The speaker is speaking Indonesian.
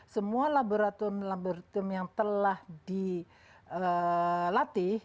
semua laboratorium laboratorium yang telah dilatih